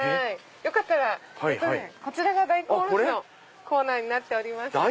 よかったらこちら大根おろしのコーナーになっておりまして。